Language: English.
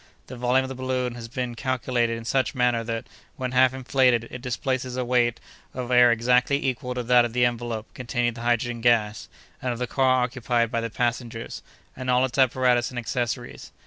The volume of the balloon has been calculated in such manner that, when half inflated, it displaces a weight of air exactly equal to that of the envelope containing the hydrogen gas, and of the car occupied by the passengers, and all its apparatus and accessories.